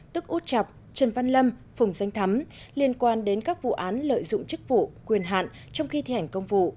tức út chọc trần văn lâm phùng danh thắm liên quan đến các vụ án lợi dụng chức vụ quyền hạn trong khi thi hành công vụ